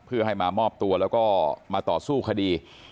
เพื่อให้มามอบตัวแล้วก็มาต่อสู้คดี